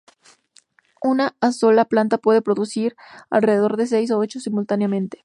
Un a sola planta puede producir alrededor de seis a ocho simultáneamente.